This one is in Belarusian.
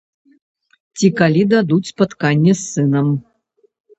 Ці калі дадуць спатканне з сынам.